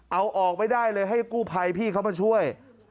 เอาออกไม่ได้เลยให้กู้ภัยพี่เขามาช่วย